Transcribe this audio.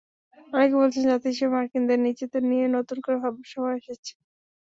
অনেকে বলছেন, জাতি হিসেবে মার্কিনদের নিজেদের নিয়ে নতুন করে ভাবার সময় এসেছে।